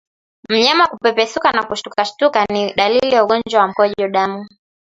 Mnyama kupepesuka na kushtukashtuka ni dalili ya ugonjwa wa mkojo damu